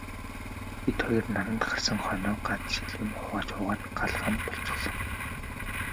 Бид хоёр наранд гарсан хойноо ганц шил юм хувааж уугаад гал хам болчихсон.